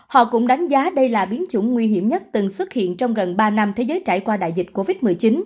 họ cũng đánh giá đây là biến chủng nguy hiểm nhất từng xuất hiện trong gần ba năm thế giới trải qua đại dịch covid một mươi chín